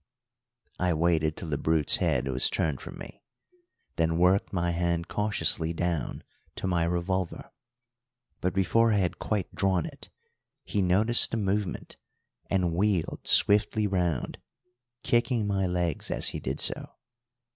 I waited till the brute's head was turned from me, then worked my hand cautiously down to my revolver; but before I had quite drawn it, he noticed the movement and wheeled swiftly round, kicking my legs as he did so.